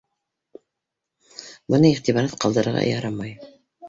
Быны иғтибарһыҙ ҡалдырырға ярамай.